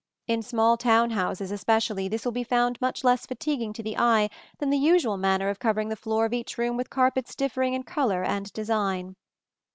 In small town houses, especially, this will be found much less fatiguing to the eye than the usual manner of covering the floor of each room with carpets differing in color and design.